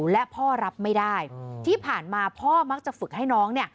และพ่อรับไม่ได้ที่ผ่านมาพ่อมักจะฝึกให้น้อง